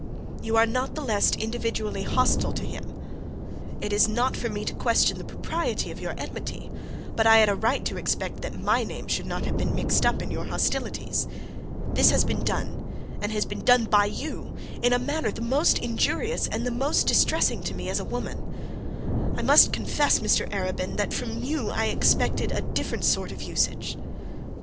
'You are not the less individually hostile to him. It is not for me to question the propriety of your enmity; but I had a right to expect that my name should not have been mixed up in your hostilities. This has been done, and been done by you in a manner the most injurious and the most distressing to a woman. I must confess, Mr Arabin, that from you I expected a different sort of usage.'